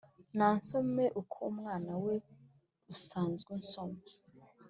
.Nansome uko umunwa we usanzwe unsoma!